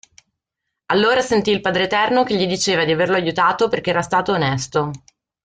Allora sentì il Padreterno che gli diceva di averlo aiutato perché era stato onesto.